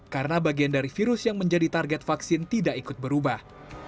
karena bagian dari virus yang menjadi target vaksin tidak ikut berubah